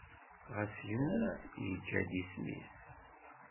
Xas yemmut, yeǧǧa-d isem-is.